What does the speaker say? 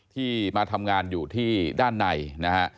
ที่มาทำงานอยู่ที่ด้านในนะฮะ